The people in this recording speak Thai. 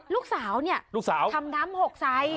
ลูกสาวเนี่ยทำน้ำหกใส